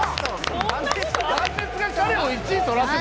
断熱が彼を１位取らせたの？